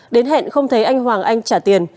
đến hẹn không thấy anh hoàng anh trả tiền